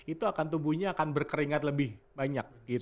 itu akan tubuhnya akan berkeringat lebih banyak